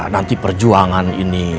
nanti perjuangan ini